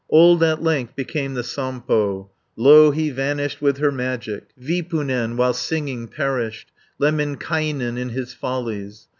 Old at length became the Sampo; Louhi vanished with her magic; Vipunen while singing perished; Lemminkainen in his follies.